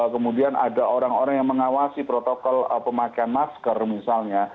kemudian ada orang orang yang mengawasi protokol pemakaian masker misalnya